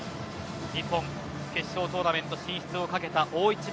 日本、決勝トーナメント進出を懸けた大一番。